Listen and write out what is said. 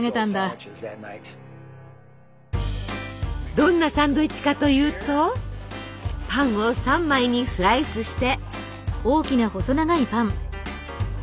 どんなサンドイッチかというとパンを３枚にスライスして。